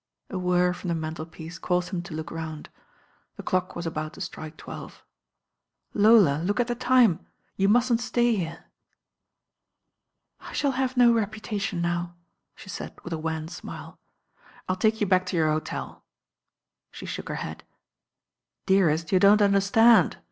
A whirr from the mantelpiece caused him to look round. The clock was about to strike twelve. "Lola, look at the time. You mustn't stay here." "I shall have no reputation now," she said with a wan smile. "I'll take you back to your hotel" She shook her head. "Dearest, you don't understand."